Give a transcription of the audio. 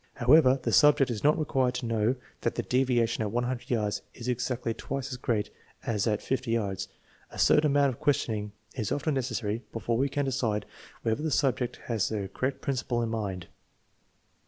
However, the sub ject is not required to know that the deviation at 100 yards is exactly twice as great as at 50 yards. A certain amount of questioning is often necessary before we can decide whether the subject has the correct principle in mind.